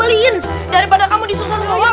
baru beliin daripada kamu disusun sama dia